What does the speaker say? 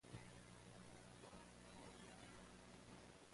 Ten teams competed in the tournament.